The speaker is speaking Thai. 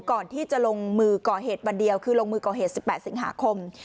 ก่อนที่จะลงมือก่อเหตุวันเดียวคือลงมือก่อเหตุ๑๘สิงหาคม